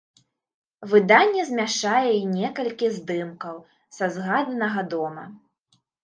Выданне змяшчае і некалькі здымкаў са згаданага дома.